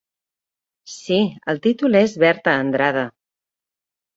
Sí, el títol és Berta Andrade.